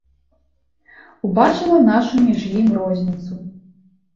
Убачыла нашу між ім розніцу.